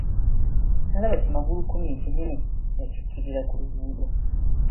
Nalaba ki magulu kkumi ekinene nga kikkirira ku luguudo.